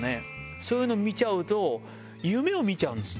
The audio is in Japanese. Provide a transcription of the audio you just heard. そういうの見ちゃうと、夢をみちゃうんです。